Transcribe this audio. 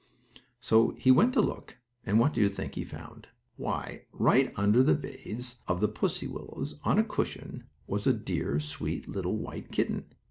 So he went to look, and what do you think he found? Why, right under a vase of the pussy willows, on a cushion, was a dear, sweet, little white kitten.